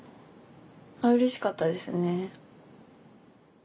うれしかったですね。